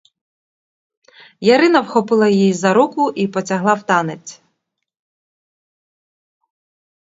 Ярина вхопила її за руку і потягла в танець.